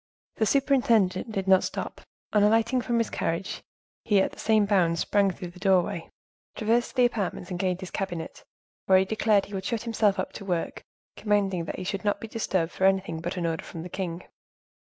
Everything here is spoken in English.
The superintendent did not stop: on alighting from his carriage, he, at the same bound, sprang through the doorway, traversed the apartments and gained his cabinet, where he declared he would shut himself up to work, commanding that he should not be disturbed for anything but an order from the king.